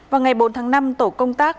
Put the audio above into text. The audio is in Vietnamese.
vào ngày bốn tháng năm tổ công tác